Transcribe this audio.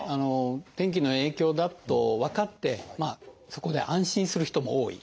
天気の影響だと分かってそこで安心する人も多い。